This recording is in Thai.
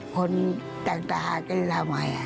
คนจังหกะหากัน